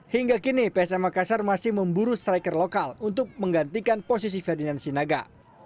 hingga kini psm makassar masih memburu striker lokal untuk menggantikan posisi ferdinand sinaga